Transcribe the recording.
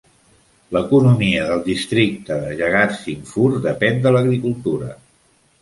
L'economia del districte Jagatsinghpur depèn de l'agricultura.